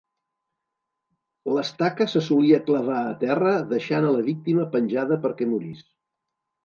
L'estaca se solia clavar a terra deixant a la víctima penjada perquè morís.